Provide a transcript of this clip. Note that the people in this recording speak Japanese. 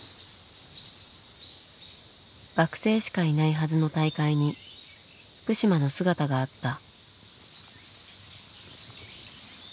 学生しかいないはずの大会に福島の姿があった。